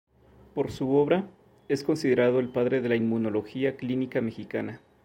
Por su obra, es considerado el padre de la inmunología clínica mexicana.